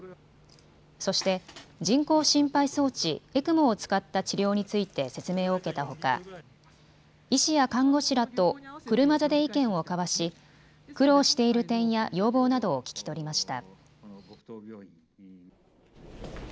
そして人工心肺装置・ＥＣＭＯを使った治療について説明を受けたほか医師や看護師らと車座で意見を交わし、苦労している点や要望などを聴き取りました。